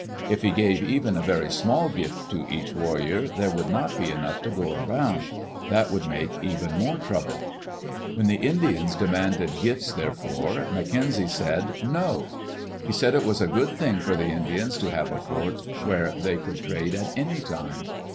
If he gave even a very small gift to each warrior, there would not be enough to go around. [That would make even more trouble. When the Indians demanded gifts, therefore, McKenzic said, " No." He said it was a good thing for the Indians to have a fort where they could trade at any time.